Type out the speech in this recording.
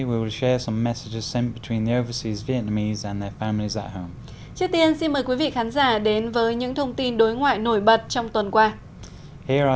trước tiên xin mời quý vị khán giả đến với những thông tin đối ngoại nổi bật trong tuần qua